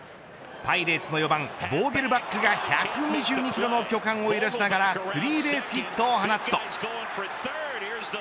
パイレーツの４番ボーゲルバックが１２２キロの巨漢を揺らしながらスリーベースヒットを放つと。